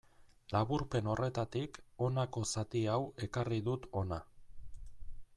Laburpen horretatik honako zati hau ekarri dut hona.